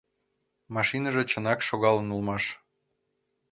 Машиныже чынак шогалын улмаш.